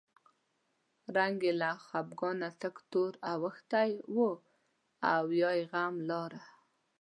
رنګ یې له خپګانه تک تور اوښتی و او یې غم لاره.